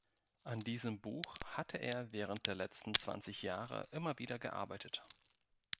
An diesem Buch hatte er während der letzten zwanzig Jahre immer wieder gearbeitet.